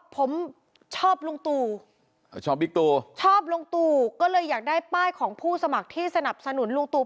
ผมชอบลุงตู่ชอบบิ๊กตูชอบลุงตู่ก็เลยอยากได้ป้ายของผู้สมัครที่สนับสนุนลุงตู่